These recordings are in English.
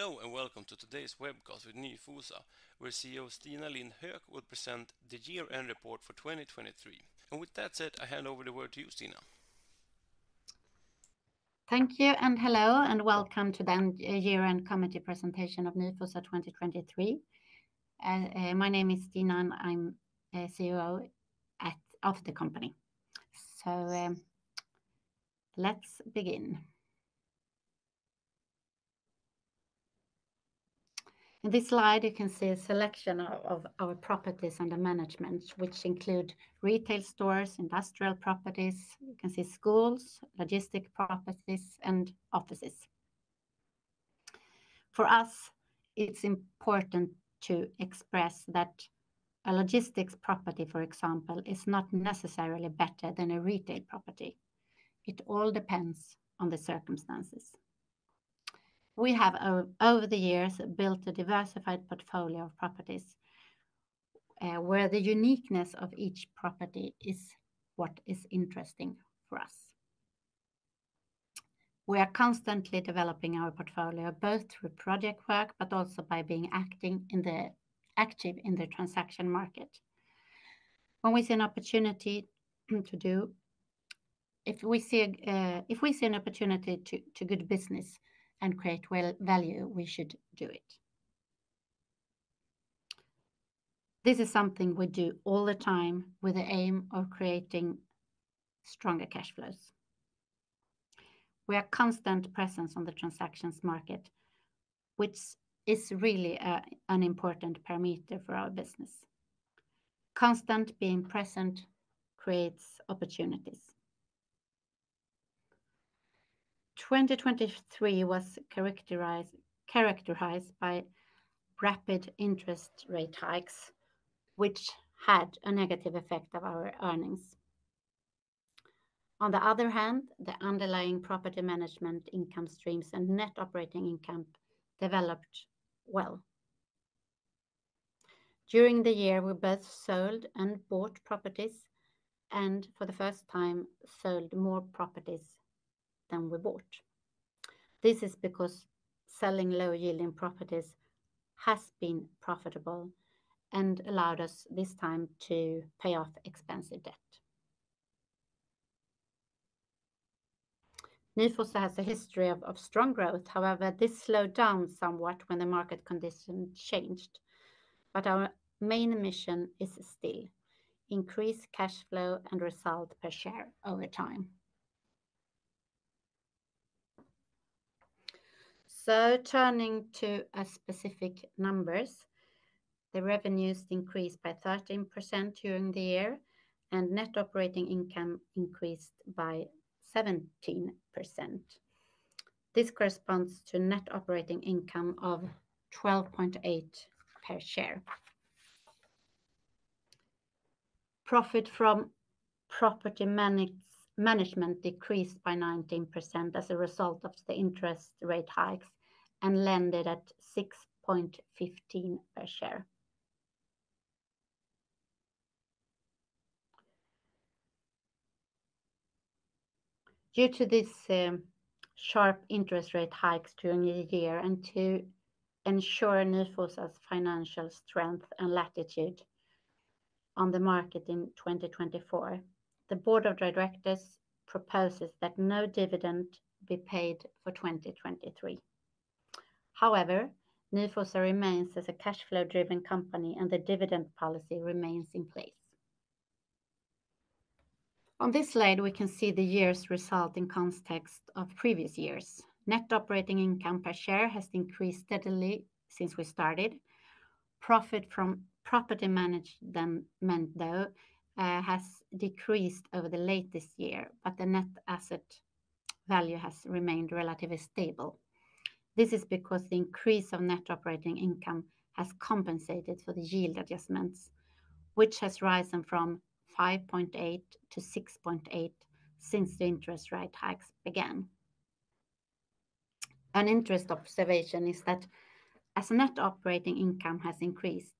Hello, and welcome to today's webcast with Nyfosa, where CEO Stina Lindh Hök will present the year-end report for 2023. With that said, I hand over the word to you, Stina. Thank you, and hello, and welcome to the year-end committee presentation of Nyfosa 2023. My name is Stina, and I'm a CEO of the company. So, let's begin. In this slide, you can see a selection of our properties under management, which include retail stores, industrial properties, you can see schools, logistic properties, and offices. For us, it's important to express that a logistics property, for example, is not necessarily better than a retail property. It all depends on the circumstances. We have over the years built a diversified portfolio of properties, where the uniqueness of each property is what is interesting for us. We are constantly developing our portfolio, both through project work, but also by being active in the transaction market. When we see an opportunity to do... If we see an opportunity to good business and create value, we should do it. This is something we do all the time with the aim of creating stronger cash flows. We are constant presence on the transactions market, which is really an important parameter for our business. Constant being present creates opportunities. 2023 was characterized by rapid interest rate hikes, which had a negative effect on our earnings. On the other hand, the underlying property management income streams and net operating income developed well. During the year, we both sold and bought properties, and for the first time, sold more properties than we bought. This is because selling low-yielding properties has been profitable and allowed us this time to pay off expensive debt. Nyfosa has a history of strong growth. However, this slowed down somewhat when the market condition changed, but our main mission is still increase cash flow and result per share over time. So turning to a specific numbers, the revenues increased by 13% during the year, and net operating income increased by 17%. This corresponds to net operating income of 12.8 per share. Profit from property management decreased by 19% as a result of the interest rate hikes, and landed at 6.15 per share. Due to this, sharp interest rate hikes during the year, and to ensure Nyfosa's financial strength and latitude on the market in 2024, the board of directors proposes that no dividend be paid for 2023. However, Nyfosa remains as a cash flow-driven company, and the dividend policy remains in place. On this slide, we can see the year's result in context of previous years. Net operating income per share has increased steadily since we started. Profit from property management, though, has decreased over the latest year, but the net asset value has remained relatively stable. This is because the increase of net operating income has compensated for the yield adjustments, which have risen from 5.8 to 6.8 since the interest rate hikes began. An interesting observation is that as net operating income has increased,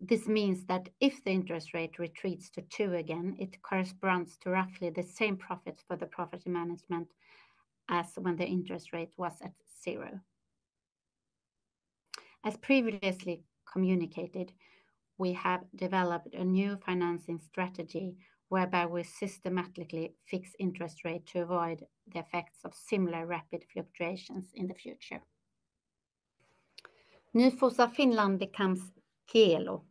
this means that if the interest rate retreats to two again, it corresponds to roughly the same profit for the property management as when the interest rate was at zero. As previously communicated, we have developed a new financing strategy, whereby we systematically fix interest rate to avoid the effects of similar rapid fluctuations in the future. Nyfosa Finland becomes Kielo.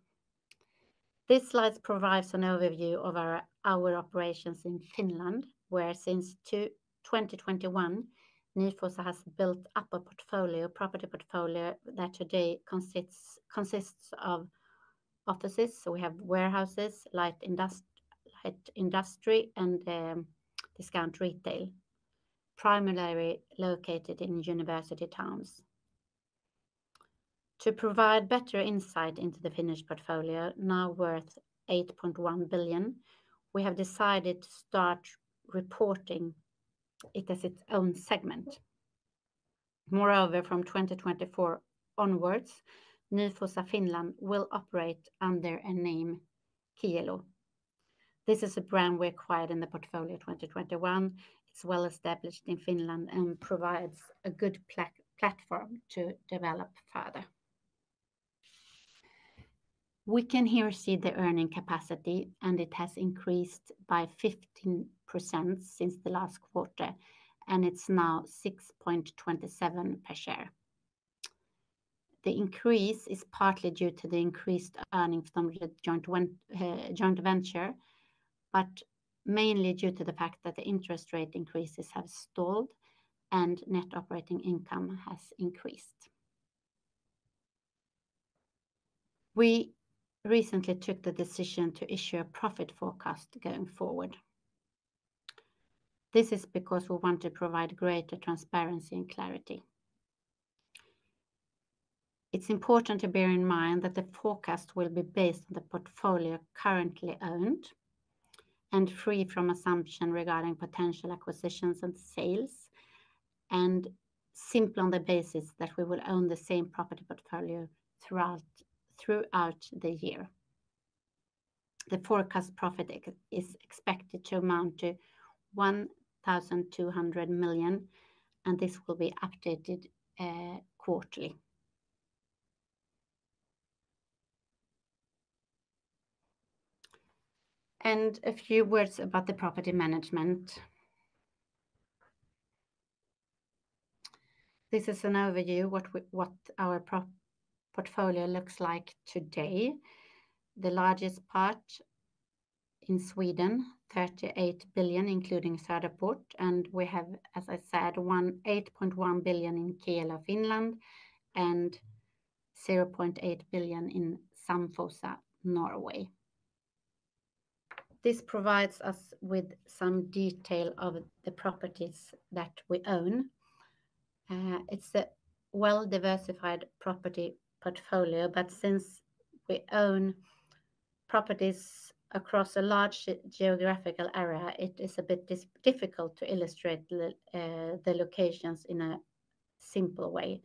This slide provides an overview of our operations in Finland, where since 2021, Nyfosa has built up a portfolio, property portfolio, that today consists of offices. So we have warehouses, light industry, and discount retail, primarily located in university towns. To provide better insight into the Finnish portfolio, now worth 8.1 billion, we have decided to start reporting it as its own segment. Moreover, from 2024 onwards, Nyfosa Finland will operate under a name Kielo. This is a brand we acquired in the portfolio in 2021. It's well-established in Finland and provides a good platform to develop further. We can here see the earning capacity, and it has increased by 15% since the last quarter, and it's now 6.27 per share. The increase is partly due to the increased earnings from the joint venture, but mainly due to the fact that the interest rate increases have stalled and net operating income has increased. We recently took the decision to issue a profit forecast going forward. This is because we want to provide greater transparency and clarity. It's important to bear in mind that the forecast will be based on the portfolio currently owned, and free from assumption regarding potential acquisitions and sales, and simply on the basis that we will own the same property portfolio throughout the year. The forecast profit is expected to amount to 1,200 million, and this will be updated quarterly. And a few words about the property management. This is an overview what our portfolio looks like today. The largest part in Sweden, 38 billion, including Söderport, and we have, as I said, eight point one billion in Kielo, Finland, and 0.8 billion in Samfosa, Norway. This provides us with some detail of the properties that we own. It's a well-diversified property portfolio, but since we own properties across a large geographical area, it is a bit difficult to illustrate the locations in a simple way.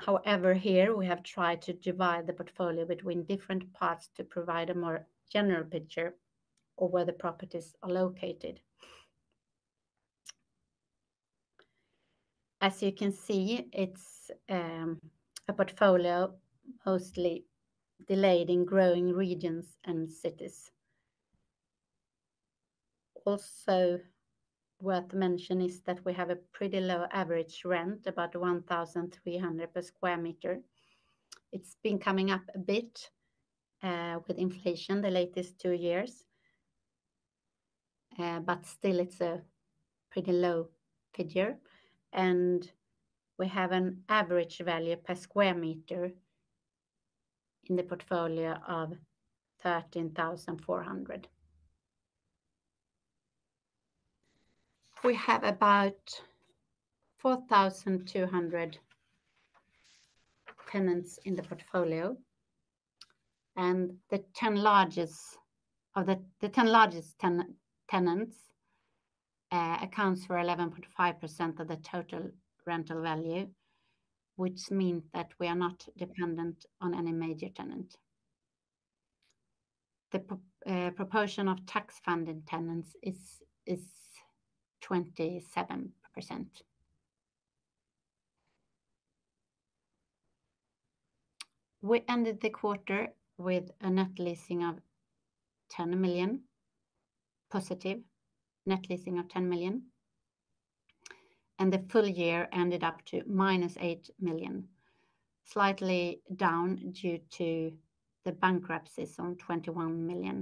However, here we have tried to divide the portfolio between different parts to provide a more general picture of where the properties are located. As you can see, it's a portfolio mostly located in growing regions and cities. Also worth mention is that we have a pretty low average rent, about 1,300 per square meter. It's been coming up a bit with inflation the latest two years, but still it's a pretty low figure, and we have an average value per square meter in the portfolio of 13,400. We have about 4,200 tenants in the portfolio, and the 10 largest or the 10 largest tenants accounts for 11.5% of the total rental value, which mean that we are not dependent on any major tenant. The proportion of tax-funded tenants is 27%. We ended the quarter with a net leasing of 10 million, positive net leasing of 10 million, and the full year ended up to -8 million, slightly down due to the bankruptcies on 21 million.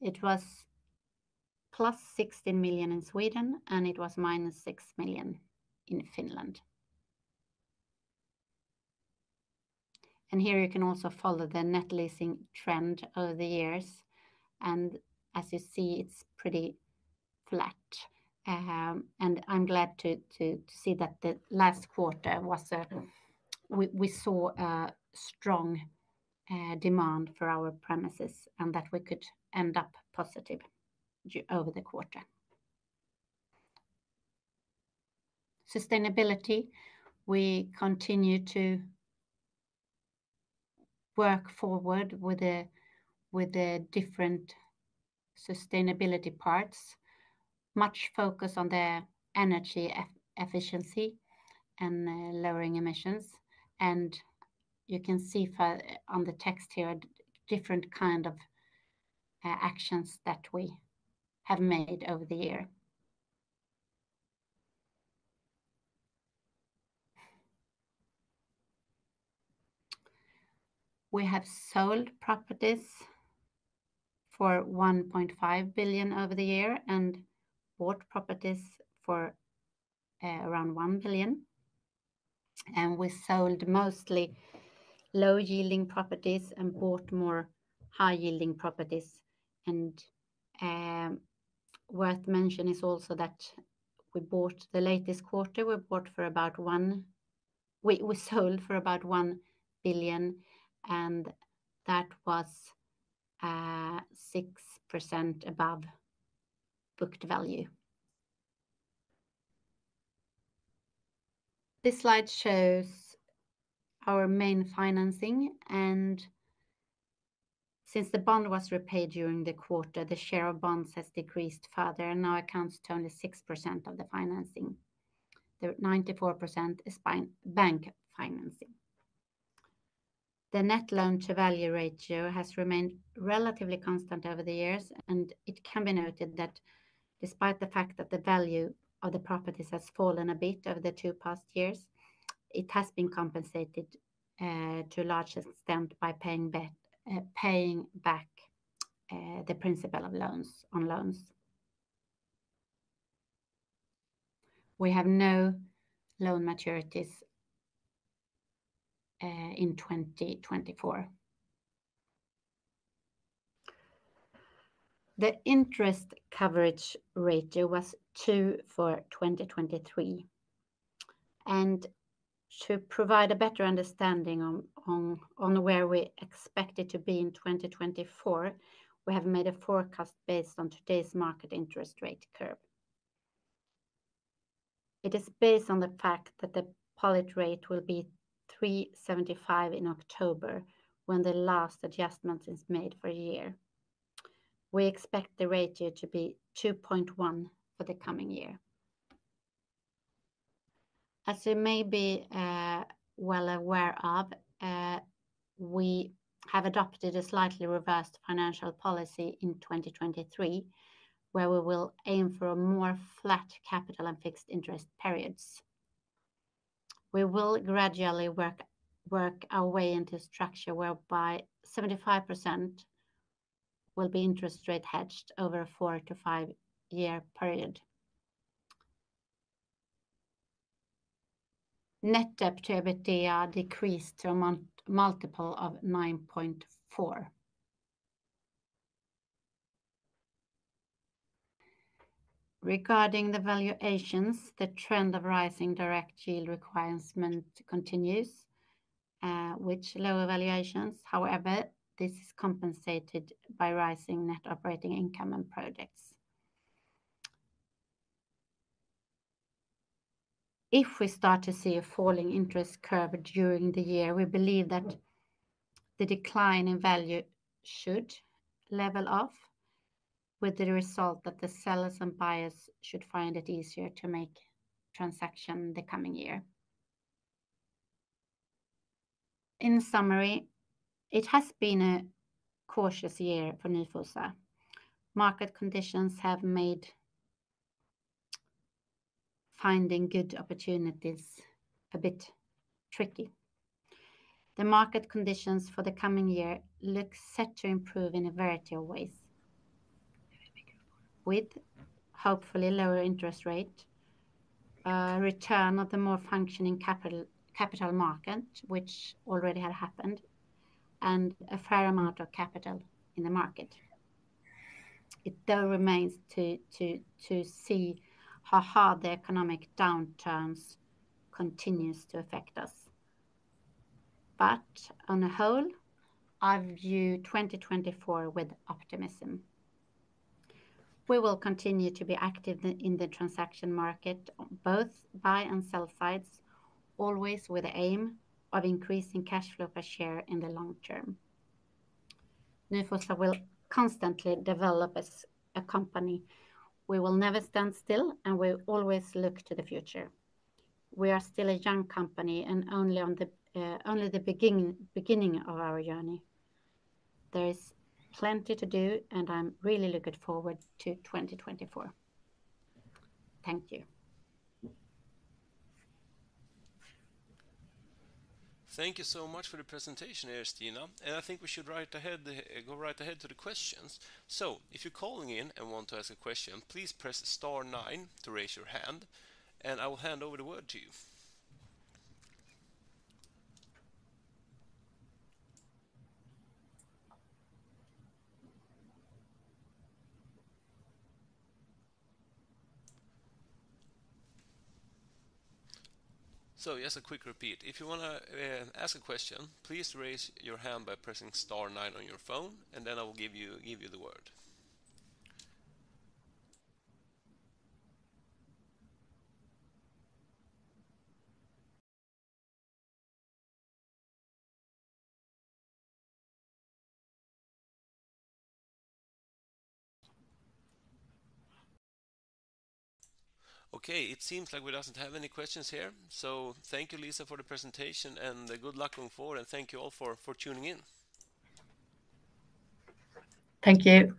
It was +16 million in Sweden, and it was -6 million in Finland. Here you can also follow the net leasing trend over the years, and as you see, it's pretty flat. I'm glad to see that the last quarter we saw a strong demand for our premises and that we could end up positive over the quarter. Sustainability, we continue to work forward with the different sustainability parts. Much focus on the energy efficiency and lowering emissions, and you can see further on the text here, different actions that we have made over the year. We have sold properties for 1.5 billion over the year and bought properties for around 1 billion, and we sold mostly low-yielding properties and bought more high-yielding properties. Worth mentioning is also that in the latest quarter we bought for about 1... We, we sold for about 1 billion, and that was 6% above booked value. This slide shows our main financing, and since the bond was repaid during the quarter, the share of bonds has decreased further and now accounts to only 6% of the financing. The 94% is bank financing. The net loan-to-value ratio has remained relatively constant over the years, and it can be noted that despite the fact that the value of the properties has fallen a bit over the two past years, it has been compensated to a large extent by paying back the principal of loans on loans. We have no loan maturities in 2024. The interest coverage ratio was two for 2023, and to provide a better understanding on where we expect it to be in 2024, we have made a forecast based on today's market interest rate curve. It is based on the fact that the policy rate will be 3.75 in October, when the last adjustment is made for a year. We expect the ratio to be 2.1 for the coming year. As you may be well aware of, we have adopted a slightly revised financial policy in 2023, where we will aim for a more flat capital and fixed interest periods. We will gradually work our way into a structure whereby 75% will be interest rate hedged over a four to five year period. Net debt to EBITDA decreased to a multiple of 9.4. Regarding the valuations, the trend of rising direct yield requirement continues, which lower valuations. However, this is compensated by rising net operating income and projects. If we start to see a falling interest curve during the year, we believe that the decline in value should level off, with the result that the sellers and buyers should find it easier to make transaction the coming year. In summary, it has been a cautious year for Nyfosa. Market conditions have made finding good opportunities a bit tricky. The market conditions for the coming year look set to improve in a variety of ways, with hopefully lower interest rate, return of the more functioning capital, capital market, which already had happened, and a fair amount of capital in the market. It though remains to see how hard the economic downturns continues to affect us. But on the whole, I view 2024 with optimism. We will continue to be active in the transaction market, on both buy and sell sides, always with the aim of increasing cash flow per share in the long term. Nyfosa will constantly develop as a company. We will never stand still, and we always look to the future. We are still a young company, and only the beginning of our journey. There is plenty to do, and I'm really looking forward to 2024. Thank you. Thank you so much for the presentation, Stina, and I think we should right ahead, go right ahead to the questions. So if you're calling in and want to ask a question, please press star nine to raise your hand, and I will hand over the word to you. So just a quick repeat. If you want to ask a question, please raise your hand by pressing star nine on your phone, and then I will give you the word. Okay, it seems like we doesn't have any questions here, so thank you, Stina, for the presentation, and good luck going forward, and thank you all for tuning in. Thank you.